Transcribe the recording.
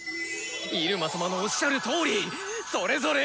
入間様のおっしゃるとおりそれぞれ！